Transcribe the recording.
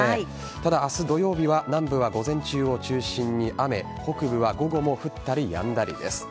ただ、明日土曜日は南部は午前中を中心に雨北部は午後も降ったりやんだりです。